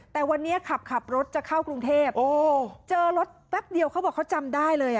แต่วันนี้ขับขับรถจะเข้ากรุงเทพเจอรถแป๊บเดียวเขาบอกเขาจำได้เลย